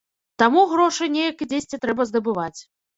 Таму грошы неяк і дзесьці трэба здабываць.